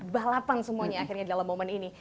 balapan semuanya akhirnya dalam momen ini